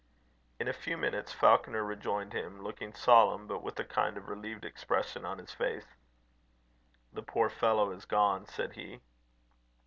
In a few minutes Falconer rejoined him, looking solemn, but with a kind of relieved expression on his face. "The poor fellow is gone," said he.